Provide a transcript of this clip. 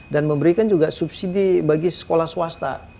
dan memberikan juga subsidi bagi sekolah swasta